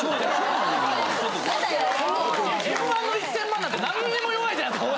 『Ｍ−１』の１０００万なんて何にも弱いじゃないですか。